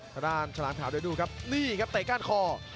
กระดานฉลาดขาวด้วยดูครับนี่ครับเตะก้านคอ